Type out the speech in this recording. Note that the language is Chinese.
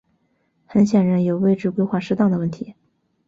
很显然有位置规划失当的问题。